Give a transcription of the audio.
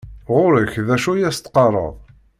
Γur-k d acu i as-teqqareḍ.